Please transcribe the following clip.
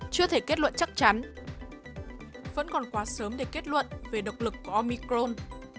chưa thể kết luận chắc chắn vẫn còn quá sớm để kết luận về độc lực của omicrom